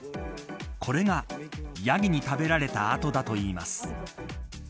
これがヤギに食べられた後だといいます。